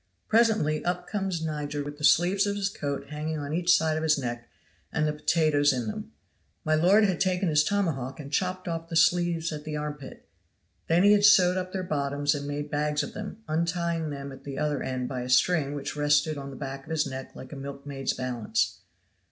Presently up comes Niger with the sleeves of his coat hanging on each side of his neck and the potatoes in them. My lord had taken his tomahawk and chopped off the sleeves at the arm pit; then he had sewed up their bottoms and made bags of them, uniting them at the other end by a string which rested on the back of his neck like a milkmaid's balance.